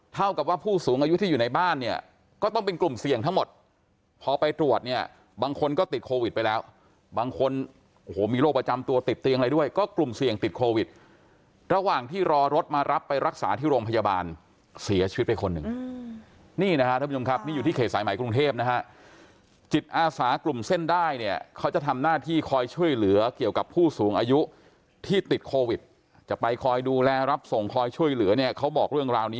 เท่ากับว่าผู้สูงอายุที่อยู่ในบ้านเนี่ยก็ต้องเป็นกลุ่มเสี่ยงทั้งหมดพอไปตรวจเนี่ยบางคนก็ติดโควิดไปแล้วบางคนโหมีโรคประจำตัวติดเตียงอะไรด้วยก็กลุ่มเสี่ยงติดโควิดระหว่างที่รอรถมารับไปรักษาที่โรงพยาบาลเสียชีวิตไปคนหนึ่งนี่นะครับท่านผู้ชมครับนี่อยู่ที่เขตสายไหมกรุงเทพนะฮะจิตอาสาก